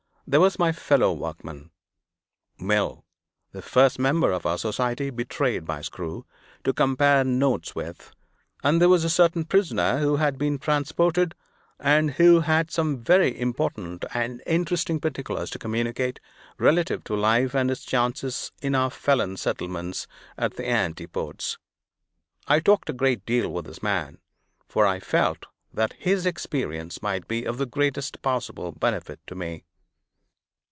There was my fellow workman Mill (the first member of our society betrayed by Screw) to compare notes with; and there was a certain prisoner who had been transported, and who had some very important and interesting particulars to communicate, relative to life and its chances in our felon settlements at the Antipodes. I talked a great deal with this man; for I felt that his experience might be of the greatest possible benefit to me.